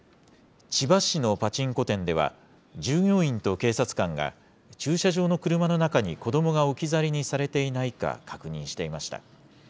千葉市のパチンコ店では、従業員と警察官が駐車場の車の中に子どもが置き去りにされていないか確認していました。